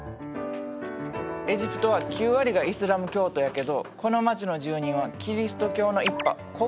エジプトは９割がイスラム教徒やけどこの町の住人はキリスト教の一派コプト教の信者や。